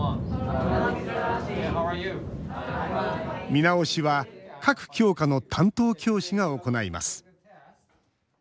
見直しは各教科の担当教師が行います。